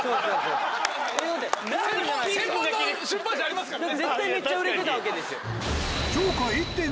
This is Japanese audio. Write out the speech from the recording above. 専門の出版社ありますからね。